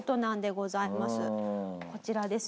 こちらですね。